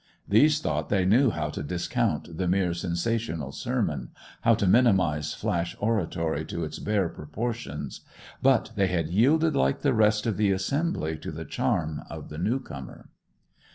These thought they knew how to discount the mere sensational sermon, how to minimize flash oratory to its bare proportions; but they had yielded like the rest of the assembly to the charm of the newcomer.